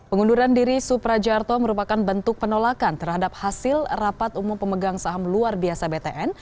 pengunduran diri suprajarto merupakan bentuk penolakan terhadap hasil rapat umum pemegang saham luar biasa btn